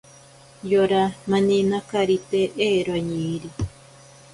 Yora maninakarite ero añiiri.